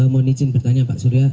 mohon izin bertanya pak surya